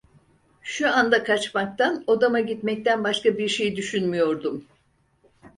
Şu anda kaçmaktan, odama gitmekten başka bir şey düşünmüyordum.